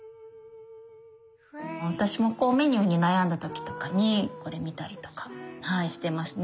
私もメニューに悩んだ時とかにこれ見たりとかしてますね。